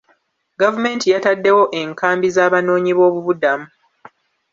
Gavumenti yataddewo enkambi z'abanoonyiboobubudamu.